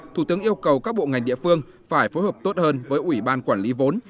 thủ tướng yêu cầu các bộ ngành địa phương phải phối hợp tốt hơn với ủy ban quản lý vốn